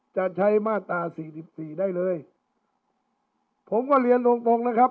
จะใช้มาตราสี่สิบสี่ได้เลยผมก็เรียนตรงตรงนะครับ